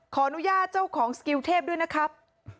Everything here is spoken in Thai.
ขออนุญาตเจ้าของสกิลเทพด้วยนะครับ